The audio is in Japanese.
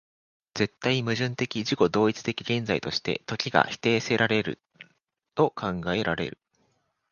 絶対矛盾的自己同一的現在として、時が否定せられると考えられる